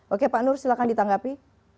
oke pak nur silahkan ditanggapi